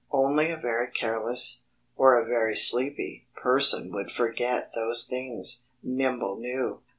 Only a very careless or a very sleepy person would forget those things, Nimble knew.